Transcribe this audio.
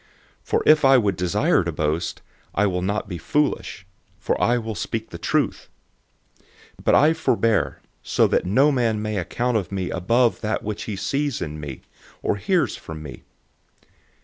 012:006 For if I would desire to boast, I will not be foolish; for I will speak the truth. But I refrain, so that no man may think more of me than that which he sees in me, or hears from me.